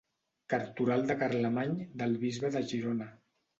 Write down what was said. Cartoral de Carlemany del bisbe de Girona.